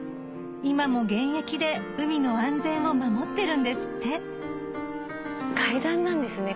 今も現役で海の安全を守ってるんですって階段なんですね